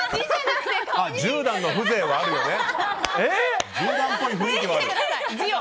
十段の風情はあるよね。